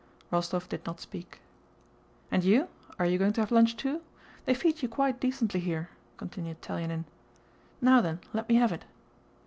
Rostóv did not speak. "And you? Are you going to have lunch too? They feed you quite decently here," continued Telyánin. "Now then, let me have it."